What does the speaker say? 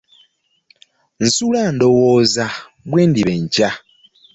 Nsula ndowooza bwendiba enkya.